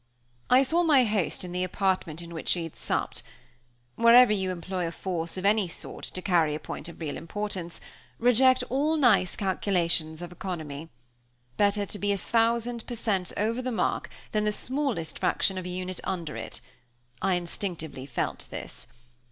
I saw my host in the apartment in which we had supped. Wherever you employ a force of any sort, to carry a point of real importance, reject all nice calculations of economy. Better to be a thousand per cent, over the mark, than the smallest fraction of a unit under it. I instinctively felt this.